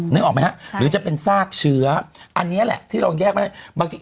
นึกออกไหมฮะหรือจะเป็นซากเชื้ออันนี้แหละที่เราแยกไม่ได้บางที